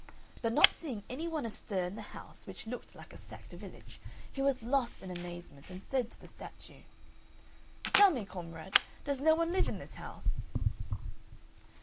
But not seeing any one astir in the house, which looked like a sacked village, he was lost in amazement, and said to the statue: "Tell me, comrade, does no one live in this house?"